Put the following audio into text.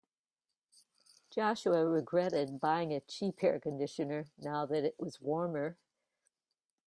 Joshua regretted buying a cheap air conditioner now that it was warmer.